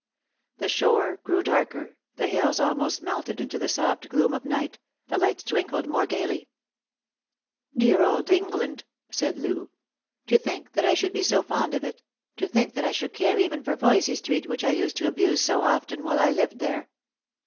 The shore grew darker, the hills almost melted into the soft gloom of night, the lights twinkled more gaily. " Dear old England! " said Loo; " to think that I should be Lost for Love. 219 so fond of it — to think that I should care even for Voysey street which I used to abuse so often while I lived there."